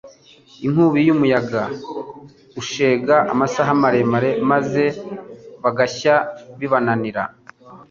Inkubi y'umuyaga ushega, amasaha maremare bamaze bagashya bibananira,